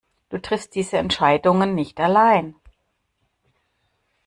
Du triffst diese Entscheidungen nicht allein.